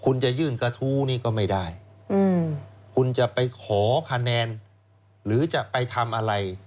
คุณจะยื่นกระทู้นี่ก็ไม่ได้คุณจะไปขอคะแนนหรือจะไปทำอะไร